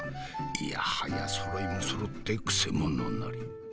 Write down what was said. いやはやそろいもそろってくせ者なり。